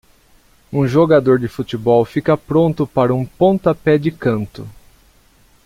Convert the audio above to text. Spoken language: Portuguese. Um jogador de futebol fica pronto para um pontapé de canto.